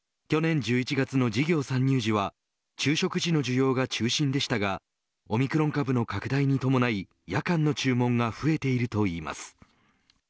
去年１１月の事業参入時は昼食時の需要が中心でしたがオミクロン株の拡大に伴い夜間の注文が増えているといいます。